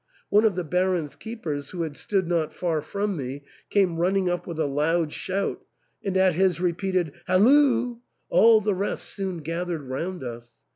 One of the Baron's keepers, who had stood not far from me, came running up with a loud shout, and at his repeated " Halloo !" all the rest soon gathered round us.